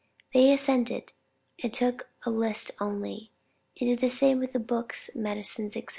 They assented, and took a list only; and did the same with the books, medicines, &c.